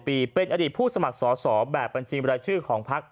ปีเป็นอดีตผู้สมัครสอสอแบบบัญชีบรายชื่อของพัก